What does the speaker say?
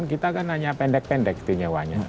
kita kan hanya pendek pendek itu nyewanya